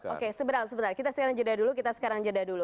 oke sebentar kita sekarang jeda dulu